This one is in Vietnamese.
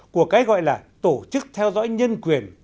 của cái gọi là tổ chức theo dõi nhân quyền